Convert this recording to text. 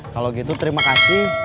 kalo gitu terima kasih